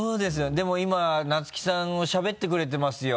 でも今菜月さんしゃべってくれてますよ。